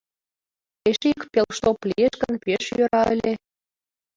Эше ик пелштоп лиеш гын, пеш йӧра ыле...